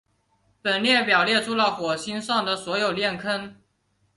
本列表列出了火星上的所有链坑。